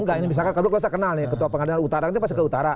enggak ini misalkan kalau saya kenal nih ketua pengadilan utara itu pasti ke utara